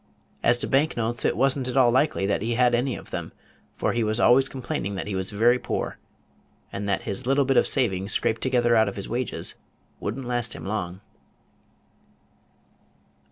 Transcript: As to bank notes, it was n't at all likely that he had any of them; for he was always complaining that he was very poor, and that his little bit of savings, scraped together out of his wages, would n't last him long.